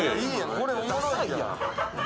これおもろいやん